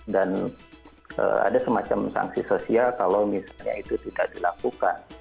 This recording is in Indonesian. dan ada semacam sanksi sosial kalau misalnya itu tidak dilakukan